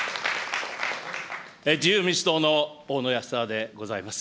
自由民主党の大野泰正でございます。